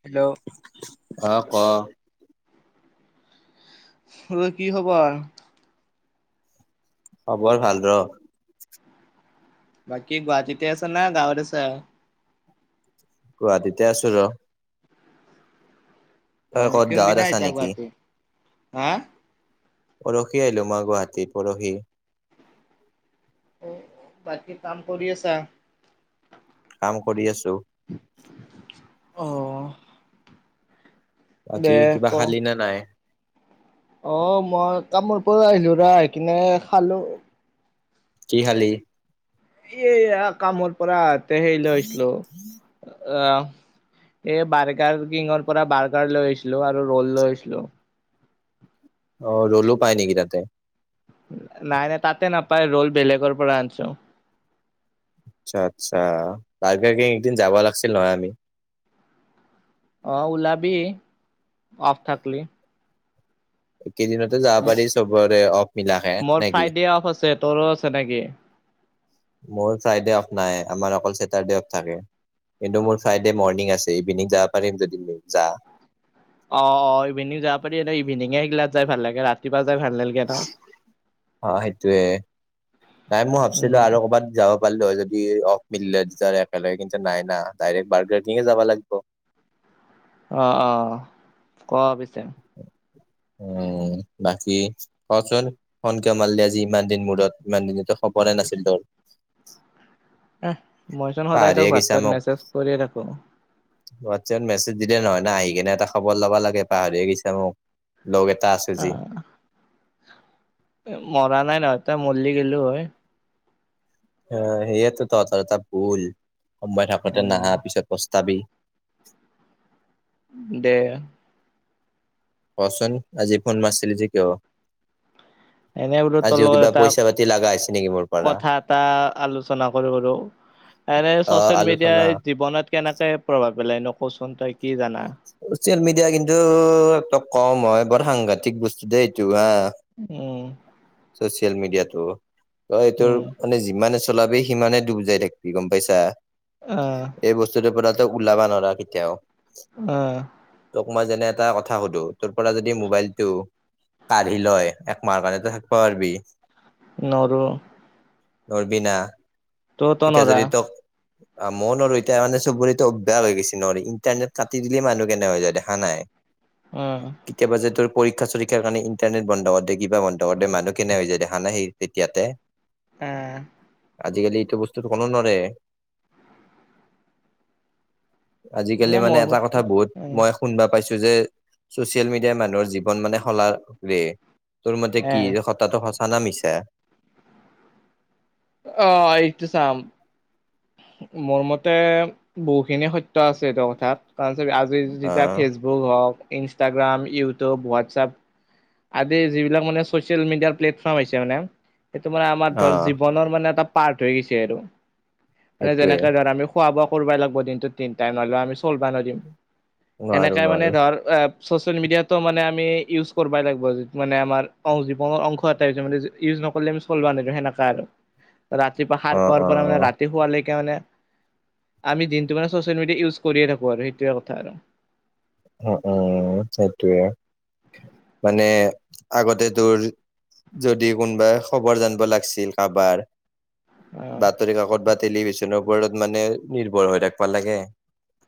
Hello অহ, ঐ কি খবৰ? খবৰ ভাল ৰ। বাকী গুৱাহাটীতে আছ না গাঁৱত আছ। গুৱাহটিতে আছো ৰ। তই হয় গাঁৱত কোনদিনা আছা আহিছা নেকি? গুৱাহাটী হা পৰহি আহিলো মই গুৱাহাটী পৰহি। অ' বাকী কাম কৰি আছা। কাম কৰি আছো অঁ বাকী কিবা খালি নে নাই? অ' মই কামৰ পৰা আহিলো ৰা আহি কিনে খালো কি খালি এইয়া কামৰ পৰা আহোতে সেৰি লৈ হৈছিলো আহ এই বাৰ্গাৰ কিঙৰ পৰা বাৰ্গাৰ লৈ আহিছিলো আৰু ৰ'ল লৈ আহছিলো অ' ৰলো পায় নেকি তাতে নাই নাই তাতে নাপায় ৰল বেলেগৰ পৰা আনিছো আচ্ছা আচ্ছা বাৰ্গাৰকিং একদিন যাব লাগিছিল নহয় আমি অ', ওলাবি অফ থাকলি কেইদিনতে যাব পাৰি চবৰে অফ মিলে মোৰ নেকি ফ্ৰাইডে অফ আছে তোৰো আছে নেকি মোৰ ফ্ৰাইডে অফ নাই আমাৰ অকল ছেটাৰডে অফ থাকে কিন্তু মোৰ ফ্ৰাইডে মৰ্ণিং আছে ইভিনিং যাব পাৰিম যদি যা অ' অ' ইভিনিং যাব পাৰি ইভিনিঙে এইগিলাত যাই ভাল লাগে ৰাতিপুৱা যাই ভাল নালগে না অ' সেইটোয়ে নাই মই ভাবছিলো উম আৰু কৰ'বাত যাব পাৰিলো যদি অফ একেলগে কিন্তু নাই না ডাইৰেক্ট বাৰ্গাৰ্কিঙে যাব লাগিব অ', অ' কোৱা পিছে [inaudible] উম বাকী কচোন ফোন কিয় মালি আজি ইমান দিন মূৰত ইমান দিনতো খবৰ নাছিল তো মইচোন সদায় তোক হোৱাটছাপত সদায় মোক মেছেজ কৰিয়ে থাকো হোৱাটছএপত মেছেজ দিলে নহয় না আহি কিনে এটা খবৰ ল'ব লাগে পাহৰিয়ে গৈছা মোক লগ এটা আছো যি অ', মৰা নাই নহয় ত মৰলি গলো হয় অ' সেইয়টোো তহঁতৰ এটা ভুল সময় থাকোতে উম নাহা পিছত পস্তাবি [inaudible] দে কচোন আজি ফোন মাৰছিলি যে কিয় এনে বোলো তোৰ আজিও লগত কিবা এটা পইচা পাতি লগাছে কথা এটা আলোচনা কৰিব ৰ এনে অ চচিয়েল আলোচনা মিডিয়াই জীৱনত কেনেকে প্ৰভাৱ পেলাই ন কচোন তই কি জানা চচিয়েল মিডিয়া কিন্তু এক কম হয় বৰ সাংঘাতিক বস্তু দেই এইটো হা উম চিয় মিডিয়া টো তই এইটোৰ উম মানে যিমানে চলাবি সিমানে ডুব যাই থাকিবি গম পাইছা আহ এই বস্তুটোৰ পৰাতো ওলাবা নোৱাৰা কেতিয়াও উম মই যে এটা কথা সুধো তোৰ পৰা য মাইলটো কাঢ়ি লয় একমাহ কাৰণতো থাকিব পাৰিবি নৱাৰো নৰবিনা এতিয়া নৰা যদি তোক মন আৰু এতিয়া মানে চবৰেটো অভ্যাস হৈ গৈছে ন ইণ্টাৰনেট কাটি দিলেই মানুহ কেনে হৈ যায় দেখা নাই উম কেতিয়াবা যে তোৰ পৰীক্ষা চৰীক্ষাৰ কাৰণে ইণ্টাৰনেট বন্ধ কৰি দিয়ে কিবা বন্ধ কৰি দে মানুহ কেনে হৈ যায় দেখা নাই সেই তেতিয়াতে অ', আজিকালি এইটো বস্তুটো কোনো নৰে আজিকালি এনে মানে মোৰ এটা মতে কথা বহুত মই শুনবা পাইছো যে চচিয়েল মিডিয়াই মানুহৰ জীৱন মানে শলাৰে তোৰ মতে এ কি হতাটো সঁচা না মিছা অ', এহটো চাম মোৰ মতে বহুখিনি সত্য আছে এইটো কথাত কাৰণ আজি যেতিয়া আহ ফেচবুক হওক ইনষ্টাগ্ৰাম ইউটিউব হোৱাটছআপ আদি যিবিলাক মানে চচিয়েল মিডিয়াৰ প্লেটফৰ্ম হৈছে মানে সেইটো মানে আমাৰ ধৰ আহ জীৱনৰ মানে এটা পাৰ্ট হৈ গৈইছে আৰু, এ সেইটোৱে যেনেকে ধৰ আমি খোৱা বোৱা কৰবাই লাগব দিনটোত তিনটাইম নহ'লে আমি চলবাই নৰিম, নোৱাৰো সেনেকে মানে নোৱাৰো ধৰ চচেল মিডিয়াতো মানে আমি ইউজ কৰবা লাগবই যিটো মানে আমাৰ, অ, জীৱনৰ অংশ এটা। নকৰলে আমি চলবা নেদে সেনেকা আৰু, ৰাতিপুৱা সাৰ অ পোৱাৰ অ পৰা মানে ৰাতি শুৱালৈকে মানে আমি দিনটো মানে চচিয়েল মিডিয়া ইউজ কৰিয়ে থাকো আৰু সেইটোৱে কথা আৰু। উম, উম, সেইটোৱে, মানে আগতে তোৰ যদি কোনোবাৰ খবৰ জানবা লাগছিল কাবাৰ। অ বাতৰি কাকত বা টেলিভিশনৰ ওপৰত মানে নিৰ্ভৰ হৈ থাকবা লাগে।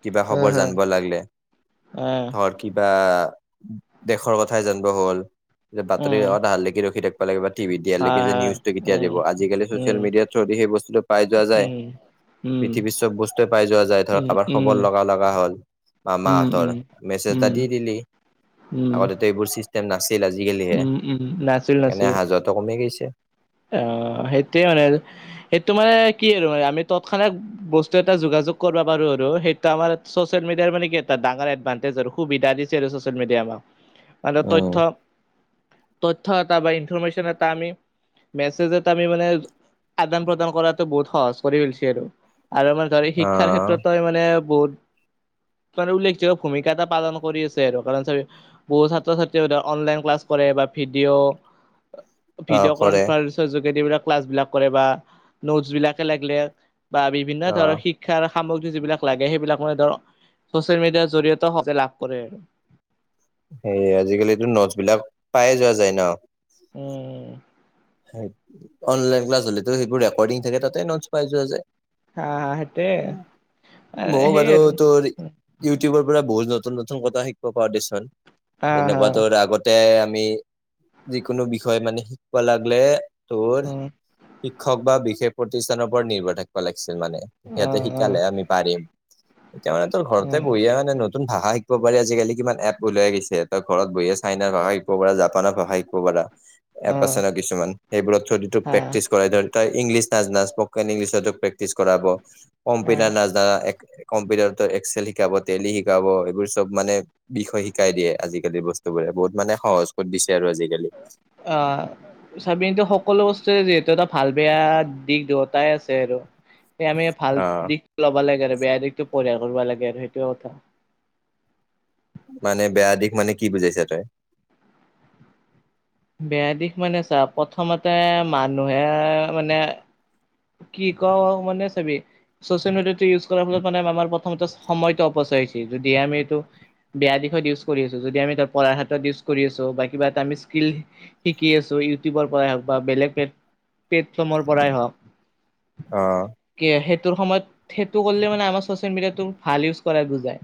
কিবা হা খবৰ হা জানবা লাগলে, ধৰ কিবা আহ, দেশৰ কথাই জানবা হ'ল, উম বাতৰি উম অহাৰ আগাৰ লৈকে ৰখি থাকবা লাগে। টিভিত হয় দিয়াৰলৈকে যে হয় নিউজটো কেতিয়া উম দিব আজিকালি উম চচিয়েল মিডিয়াৰ থ্ৰ দি সেই বস্তুটো পাই যোৱা যায়। উম উম পৃথিৱীৰ চব বস্তুৱে পাই যোৱা যায় ধৰ উম কাবাৰ উম উম উম খবৰ লবা হ'ল বা মা। ধৰ, মেছেজ এটা উম দি দিলি, উম আগতেতো এইবোৰ চিষ্টেম নাছ ছিল আজিকালিহে, উম উম সেইকাৰণে আহা যোৱাটো কমি গৈইছি। অ, সেইটোয়ে মানে সেইটো মানে কি আৰু মানে আমি তৎক্ষনাত বস্তু এটা যোগাযো যোগ কৰবা পাৰো আৰু সেইটো আমাৰ চচিয়েল মিডিয়াৰ মানে কি এটা ডাঙৰ এডভান্তেজ আৰু সুবিধা দিছে আৰু চচিয়েল মিডিয়াই আমাক। [unintelligible] উম তথ্য- তথ্য এটা বা ইনফৰমেচন এটা আমি মেছেজত আমি মানে আদান প্ৰদান কৰাতো বহুত সহজ কৰি ফেলছি আৰু। আৰু মানে ধৰ অ শিক্ষাৰ ক্ষেত্ৰতটো আমি মানে বহুত [inaudible] ত' আৰু উল্লেখযোগ্য ভূমিকা এটা পালন কৰি আছে আৰু কাৰণ চাবি বহুত ছাত্ৰ-ছাত্ৰীয়ে সিহঁতে অনলাইন ক্লাছ কৰে বা ভিডিঅ' অ', কৰে কনফাৰচৰ যোগেদি এইবিলাক ক্লাছ বিলাক কৰে বা নোটছ বিলাকে লাগিলে বা বিভিন্ন অ ধৰ শিক্ষাৰ সামগ্ৰী যিবিলাক লাগে সেইবিলাক মানে ধৰ ছচিয়েল মিডিয়াৰ জৰিয়তে সহজে লাভ কৰে আৰু। সেইয়ে আজিকালিটো নোটচ বিলাক পায়ে যোৱা যায় ন'। উম, অনলাইন ক্লাছ হলেটো সেইবোৰ ৰেকৰ্ডিং থাকে তাতে ৰেকৰ্ডিং নোটচ পাই যোৱা যায়। হা হা সেইটোৱে উম, ময়ো সেইয়ে বাৰু আৰু তোৰ ইউটিউবৰ পৰা বহুত নত নতুন-নতুন কথা শিকব পাওঁ দেচোন হা হা যেনেকুৱা তোৰ আগতে আমি যিকোনো বিষয় মানে শিকব লাগলে তোৰ উম শিক্ষক বা বিশেষ প্ৰতিষ্ঠানৰ ওপৰত নিৰ্ভৰ থাকবা লাগিছিল মানে অ', সিহঁতে অ', শিকালেহে আমি পাৰিম। এতিয়া মানে তোৰ ঘৰতে বহিয়ে মানে নতুন ভাষা শিক শিকব পাৰি আজিকালি কিমান এপ ওলাই গেইছে তই ঘৰত বহিয়ে চাইনাৰ ভাষা শিকব পাৰা, জাপানৰ ভাষা শিকব পাৰা এপ অ', আছে না কিছুমান সেইবোৰত থ্ৰুইদি টো অ', প্ৰেক্টিচ কৰাই ধৰি এই ইংলিছ নাজনাচ ইছপকেন ইংলিছতো প্ৰেক্টিছ কৰাব অ', কম্পিউটাৰ নাজনা এক কম্পিউটাৰতো এক্সেল শিকাব, টেলি শিকাব এইবোৰ চব মানে বিষয় শিকাই দিয়ে আজিকালি বস্তু বোৰে বহুত মানে সহজ কত দিছে আৰু আজিকালি। চাবিনত সকলো বস্তুৱে যিহেতু এটা ভাল বেয়া দিশ দুয়টাই আছে আৰ। এ আমি ভাল অ দিশটো ল'বা লাগে আৰু বেয়া দিশটো পৰিহাৰ কৰিব লাগে আৰু সেইটোৱে কথা। মানে বেয়া দিশ মানে কি বুজাইছা তই? বেয়া দিশ মানে চা প্ৰথমতে মানুহে মানে কি ক মানে চাবি ছ'চিয়েল মিডিয়াটো ইউজ কৰাৰ ফলত মানে আমাৰ প্ৰথমতে সময়টো অপচি তইচি যদি আমি এইটো বেয়া দিশত ইউজ কৰি আছো যদি আমি ত পঢ়াৰ হাতত ইউজ কৰি আছো বা কিবা এটা আম মিস্কিল শিকি আছো ইউটিউবৰ পৰা হওঁক বা বেলেগ পেট প্লেটফৰ্মৰ পৰা হওঁক অহ। তোৰ সময়ত সেইটো কৰলি মানে আমাৰ ছ'চিয়েল মিডিয়টো ভাল ইউজ কৰাই বুজাই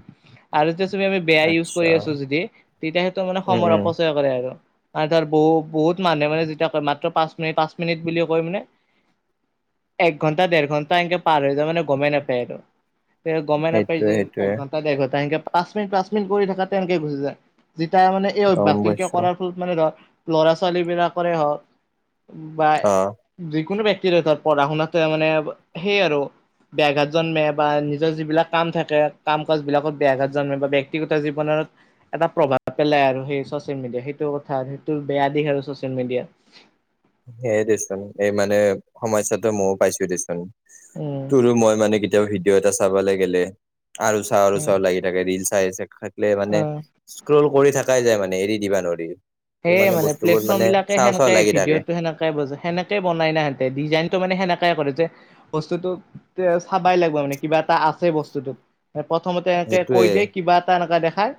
আৰু তেছ তুমি আমি বেয়া ইউজ আচ্ছা কৰি আছো যদি তেতিয়া হয়তো মানে উম সময়ৰ উম অপচয় কৰে আৰু। মা তাৰ ব বহুত মানুহে মানে যেতিয়া কয় মাত্ৰ পাঁচ মিনি পাঁচ মিনিট বুলি কয় মানে এক ঘণ্টা দেৰ ঘণ্টা এনকে পাৰ হৈ যায় মানে গমেই নাপায় আৰু তে গমেণ্ট পাই সেইটোয়ে যে সেইটোয়ে এক ঘণ্টা দেৰ ঘণ্টা এক পাঁচ মিনিট পাঁচ মিনিট কৰি থকাতে এনেকে গুচি যায়। যেতিয়া মানে এই গম অভ্যস তেনকে পাইছো কৰাৰ ফলত মানে ধৰ ল'ৰা ছোৱালী বিলাকৰে হওক বা অ যিকোনো ব্যক্তিৰ ত পঢ়া শুনাততে মানে সেইয় আৰু বেয়াঘাত জন্মে বা নিজৰ যিবিলাক কাম থাকে কাম কাজ বিলাকত বেয়াঘাত জন্মে। ব্যক্তিগত জীৱনত এটা প্ৰভাৱ পেলাই আৰু সেই চচিয়েল মিডিয়া সেইটো কথা সেইটো বেয়া দিশ আৰু ছচিয়েল মিডিয়াৰ। সেইয়ে দেচোন এই মানে সমস্যাতটো ময়ও পাইছো দেচোন। উম তোৰো মই মানে কেতিয়াও ভিডিঅ' এটা চাব লাগেলে আৰু চাও আৰু উম চাও লাগি থাকে। ৰিল চাই থাকিলে মানে অ স্ক্ৰল কৰি থাকাই যায় মানে মানে এৰি দিবা নোৱাৰি। ত সেয়ে মানে বস্তুবোৰ প্লেটফৰ্ম মানে বিলাকে চাওঁ চাওঁ সেনেকে লাগি থাকে ভিডিঅ'তটো সেনেকে বজ সেকে বনাই ইহতে ডিজাইনতটো মানে সেনেকে কৰে যে বস্তুটো এ চাবাই লাগিব মানে কিবা এটা আছে বস্তুটো প্ৰথমতে এনেকে কৈ সেইটোয়ে দিয় কিবা এটা এনে দেখাই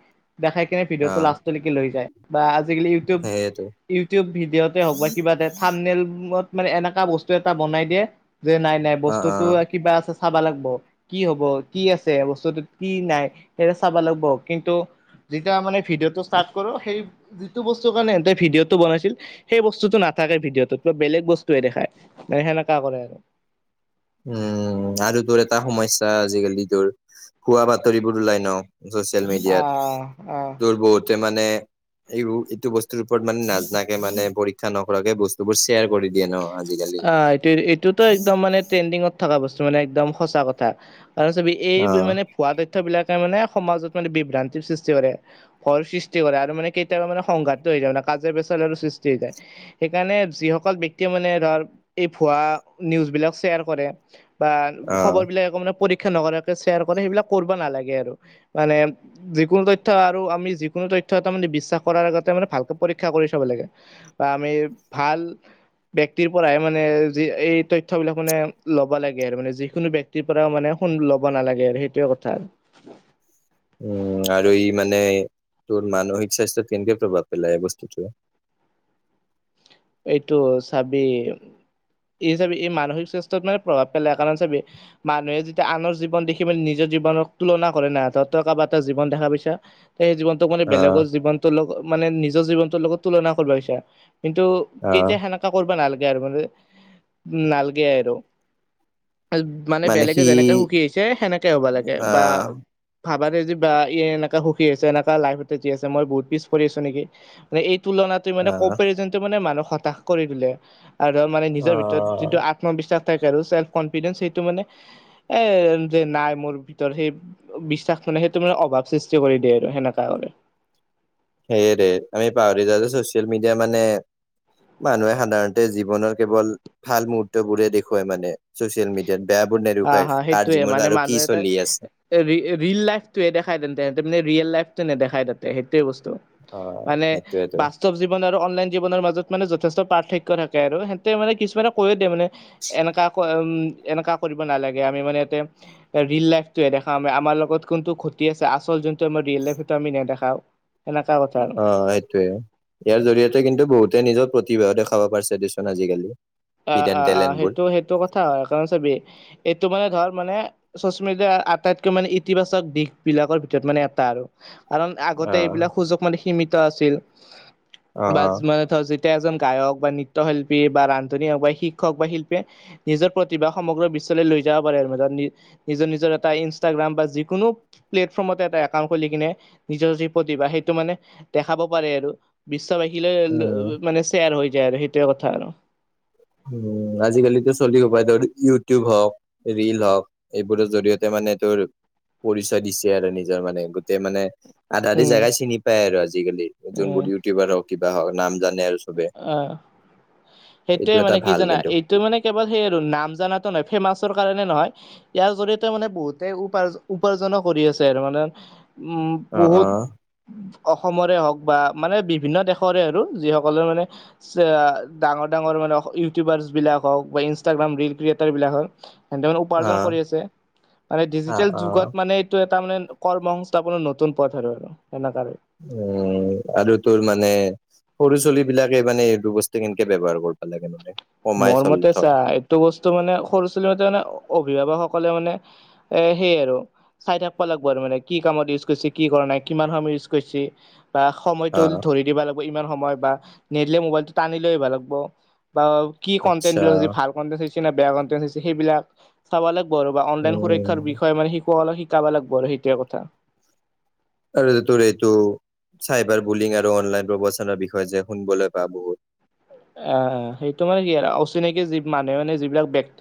দেখাই কিনে অ ভিডিঅ'টো লাষ্টলৈকে লৈ যায়। বা আজিকালি ইউটিউব, সেইয়েতো ইউটিউব ভিডিঅ'তে হওক বা কিবা এটা থামনেলত মানে এনেকা বস্তু এটা বনাই দিয়ে যে নাই নাই অ অ বস্তুতটো কিবা আছে চাব লাগিব। কি হব? কি আছে বস্তুটোত? কি নাই সেইৰে চাব লাগিব। কিন্তু যেতিয়া মানে ভিডিঅ'টো ষ্টাৰ্ট কৰো সেই যিটো বস্তু কাৰণেহতে ভডিঅ'টো বনাইছিল সেই বস্তুতটো নাথাকে ভিডিঅ'টোত। কিবা বেলেগ বস্তুৱে দেখাই। সেনেকা কৰে আৰু [unintelligible] উম আৰু তোৰ এটা সমস্য আজিকালি তোৰ ভুৱা বাতৰিবোৰ ওলাই ন। চচিয়েল মিডিয়াত। আহ আহ দৰ বহুতে মান এইটো বস্তুৰ ওপৰত মানে নাজাকে মানে পৰীক্ষা নকৰাকে বস্তুবোৰ শ্বেয়াৰ কৰি দিয়ে ন আজিকালি আহ এইটো এইটোতো একদম মানে ট্ৰেণ্ডিঙত থকা বস্তু মানে। একদম সঁচা কথা কাৰ চ এই অ মানে ভুৱা তথ্যবলাক তাৰ মানে সমাজত মানে বিভ্ৰান্তিৰ সৃষ্টি কৰে। ভয়ৰ সৃষ্টি কৰে আৰু মানে কেতিয়াবা মানে সংঘাতটো হৈ যান কাজে পেচাল সৃষ্টি হৈ যায়। সেইকাৰণে যিসকল এতিয়া মানে ধৰ এই ভুৱা নিউজ বিলাক শ্বেয়াৰ কৰে বা অ খবৰ বিলাক এক মানে নকৰাকে শ্বয়াৰ কৰে। সেইবিলাক কৰিব নালাগে আৰু মানে, যিকোনো তথ্য আৰু আমি যিকোনো ত তথ্য এটা বিশ্বাস কৰাৰ আগতে মান ভালকে পৰীক্ষা কৰি চব লাগে বা আমি ভাল ব্যক্তিৰ পৰাই মানে যি এই তথ্যয় বিলাক মানে ল'বা লাগে আৰু মানে যি কোনো ব্যক্তিৰ পৰা মানে শু ল'ব নালাগে আৰু সেইটোে কথা আৰু উম আৰু ই মানে তোৰ মানসিক স্বাস্থ্যৰ কেন্তক প্ৰভাৱ পেলাই বস্তুটো এইটো চাবি এই চাবি এই মানসিক স্বাস্থ্যত মানে প্ৰভাৱ পেলায়। কাৰণ চাপি মানুহে যেতিয়া আনৰ জীৱন দেখি মেলি নিজৰ জীৱনৰ তুলনা কৰে না। তহঁতৰ কাৰোবাৰ এটা জীৱন দেখা পাইছা সেই জীৱনটোোক মানে আহ বেলেগৰ জীৱনটোৰ লগত মানে নিজৰ জীৱনটোৰ লগত তুলনা কৰিবছ কিন্তু আহ কেতিয়া সেনেকা কৰিবা নালাগে আৰু মানে নালাগে আৰু মানে বেলেগে যেনেকে সুখী আহিছে সেনেকে হ'ব লাগে। বা আহ ভাবা য বা এনেকা সুখী আছে এনেকা লাইফতে যি আছে মই বহুত পিছ পৰি আছো নেকি মানে এই তুলনা মানে আহ কম মানে মানুহক হতাশ কৰি তোলে। আৰু মানে নিজৰ ভিতৰত আহ যিটো আত্মবিশ্বাস তাক আৰু চেন কনফিদেঞ্চ সেইটো মানে এ যে নাই মোৰ ভিতৰত সেই বিশ্বাস মানে সেইটো মানে অভাৱ সৃষ্টি কৰি দিয়ে আৰু সেনেকা কৰে। সেই দে আমি পাহৰি যাও যে চচিয়েল মিডিয়া মানে মানুহে সাধাৰণতে জীৱনৰ কেৱল ভাল মুহুৰ্তবোৰে দেখুৱাই মানে চচিয়েল মিডিয়াত। বেয়াবোৰ নেদেখুৱাই হ' হা' কাৰ সেইটোয়ে জীৱনত মানে আৰু কি মানুহ এ তাৰ চলি আছে ৰি ৰিল লাইফটোয়ে দেখাই দেনতে ৰিয়েল লাইফ নেদেখাই তাতে সেই টোৱে বস্তু অ মানে সেইটোয়েতো বাস্তৱ জীৱন আৰু অনলাইন জীৱনৰ মাজত মানে যথেষ্ট পাৰ্থক্য থাকে আৰু সিহঁতে মানে কিছুমানক কৈয়ে দিয়ে মানে এনেকা কয় উম এনেকা কৰিব নালাগে, আমি মানে ইয়াতে ৰীল লাইফটোৱে দেখা আমাৰ লগত কোনটো ঘটি আছে আচল যোনটো আমাৰ ৰিয়েল লাইফটো আমি নেদেখাও। সেনেকা কথা আৰু অ' সেইটোয়ে ইয়াৰ জৰিয়তে কিন্তু বহুতে নিজৰ প্ৰতি তিভা দেখাব পাৰিছে দেচোন আজিকালি। আহ' হিডেন আহ' আহ' টেলেণ্টবোৰ সেইটো সেইটো কথা হয় কাৰণ চাবি এইটো মানে ধৰ মানে চচ মিডিয়াৰ আটাইতকৈ মানে ইতিবাচক দিশ বিলাকৰ ভিতৰত মানে এটা আৰু। কাৰণ অ আগতে এইবিলাক সুযোগ মানে সীমিত আছিল। অ বাজ মানে ধৰ যেতিয়া এজন গায়ক বা নৃত্য শিল্পী বা ৰা শিক্ষক বা শিল্পীয়ে নিজৰ প্ৰতিভা সমগ্ৰ বিশ্বলৈ লৈ যাব পাৰে আৰু মাজত নি নিজৰ নিজৰ ট্ৰাতা ইনষ্টাগ্ৰাম বা যিকোনো প্লেটফৰ্মতে এটা একাউণ্ট খুলি কেনে নিজৰ যি প্ৰতিভা সেইটো মানে দেখাব পাৰে আৰু বিশ্ববাসীলৈ উম মানে শ্বেয়াৰ হৈ যায় আৰু সেইটোৱে কথা আৰু। উম আজিকালিতো চলি হোপায় ধৰ ইউটিউব হওক ৰিল হওক এইবোৰৰ জৰিয়তে মানে মানে তোৰ পৰিচয় দিছে আৰু নিজৰ মানে গোটেই মানে আধা আধি উম জেগাই চিনি পায় আৰু আজিকালি উম যোনবোৰ ইউটিউবাৰ হওক কিবা হওক নাম জানে আৰু চবে। অ সেইটোৱে এটা মানে কি ভাল জানা কিন্তু এইটো মানে কেৱল সেই আৰু নাম জানাতো নাই ফেমাচৰ কাৰণে নহয় ইয়াৰ জৰিয়তে মানে বহুতে উপাৰজ উপৰজনো কৰি আছে আৰু মানে উম অ', বহুত অ', অসমৰে হওক বা মানে বিভিন্ন দেশৰে আৰু যি হওক। মানে চে ডাঙৰ ডাঙৰ মানে ইউটিউবাৰছ বিলাক হওক বা ইনষ্টাগ্ৰাম ৰিল ক্ৰিয়েটাৰ বিলাক সিহঁতে মানে উপাৰ্জন অ', কৰি আছে, আৰু এই অ', ডিজিটেল অ', যুগত মানে এইটো এটা তাৰ মানে কৰ্ম সংস্থাপনৰ নতুন পথ আৰু। সেনেকা আৰু উম আৰু তোৰ মানে সৰু চুলি বিলাকে মানে এই দু বস্তু কেনেকে ব্যৱহাৰ কৰিবা লাগে মানে। কমাই মোৰ চল মতে ধৰ চাহ এইটো বস্তু মানে সৰু ছোৱালী হতে মানে অভিভাৱক অকলে মানে এ সেই আৰু। চাই থাকবা লাগিব আৰু মানে কি কামত ইউজ কৰিছে কি কৰা নাই কিমান সময় ইউজ কৰিছে। বা সময়টো অ', ধৰি দিবা লাগিব ইমান সময় বা নেৰিলে মবাইলটো টানি লৈ আহিব লাগব বা কি আচ্ছা কণ্টেন্ত বোৰ যদি ভাল কন্তেণ্ট চাই বেয়া কনটেন্ত চাইছে সেইবিলাক চাব লাগিব আৰু বা অনলাইন উম, সুৰক্ষাৰ বিষয়ে মানে কল শিকাবা লাগিব আৰু সেইটোৱে কথা। আৰে তোৰ এইটো চাইবাৰ বুলিং আৰু অনলাইন প্ৰৱচনৰ বিষয়ে যে শুনবলৈ পা বহুত। অহ' সেইটো মানে কি আৰু অচিনাকি যি মানুহে মানে যিবিলাক বেক্ত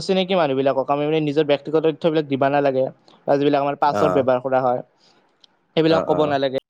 অচিনাকি মানুহ বিলাকক আমি মানে নিজৰ ব্যয়ক্তিগত তথ্যবিলাক দিব নালাগে। এ যিবিলাক আমাৰ পাছত অ ব্যৱহাৰ কৰা হয় অ সেইবিলাক অ ক'ব নালাগে।